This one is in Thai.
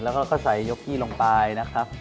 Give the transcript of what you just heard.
แล้วก็ใส่ยกกี้ลงไปนะครับ